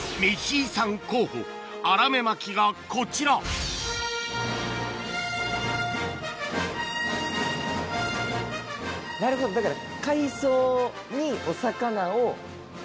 遺産候補アラメマキがこちらなるほどだから。